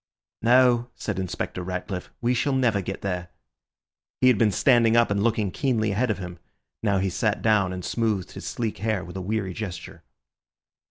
"No," said Inspector Ratcliffe, "we shall never get there." He had been standing up and looking keenly ahead of him. Now he sat down and smoothed his sleek hair with a weary gesture.